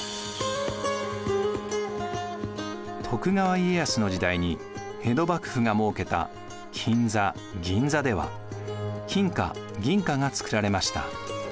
徳川家康の時代に江戸幕府が設けた金座銀座では金貨銀貨がつくられました。